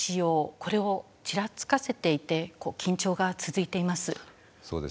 これをちらつかせていて緊張が続いています。